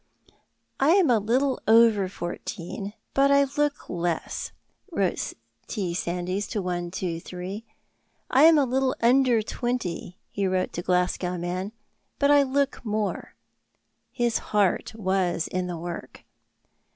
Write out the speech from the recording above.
"I am a little over fourteen, but I look less," wrote T. Sandys to "123"; "I am a little under twenty," he wrote to "Glasgow Man," "but I look more." His heart was in the work.